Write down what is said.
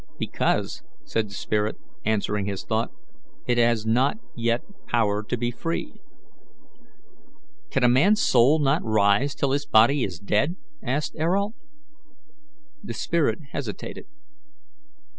"Because," said the spirit, answering his thought, "it has not yet power to be free." "Can a man's soul not rise till his body is dead? asked Ayrault. The spirit hesitated.